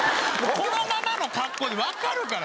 このままの格好でわかるから。